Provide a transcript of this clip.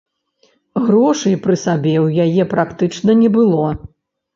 Грошай пры сабе ў яе практычна не было.